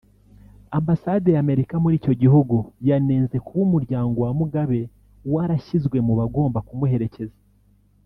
Ambasade ya Amerika muri icyo gihugu yanenze kuba Umuryango wa Mugabe warashyizwe mu bagomba kumuherekeza